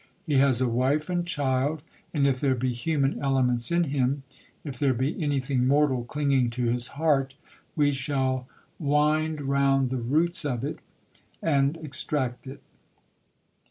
He has a wife and child, and if there be human elements in him, if there be any thing mortal clinging to his heart, we shall wind round the roots of it, and extract it.'